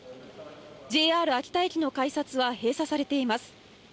ＪＲ秋田駅の開催は閉鎖されています。